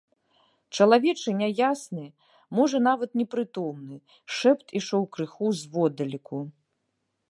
Чалавечы няясны, можа нават непрытомны, шэпт ішоў крыху зводдалеку.